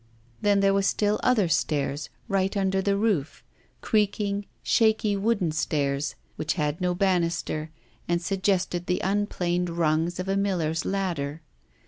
Then there were still other stairs right under the roof creaking, shaky wooden stairs, which had no banister, and suggested the unplaned rungs of a miller's ladder.